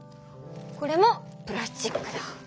これもプラスチックだ。